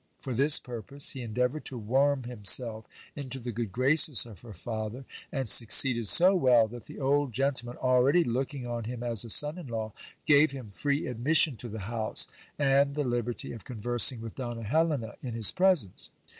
For this purpose, he endeavoured to worm himself into the good graces of her father, and succeeded so well, that the old gentleman, already looking on him as a son in law, gave him free admission to the house, and the liberty of conversing with Donna Helena in his presence.